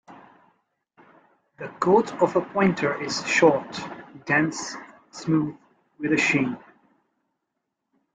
The coat of a Pointer is short, dense, smooth with a sheen.